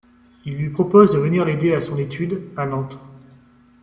Il lui propose de venir l'aider à son étude, à Nantes.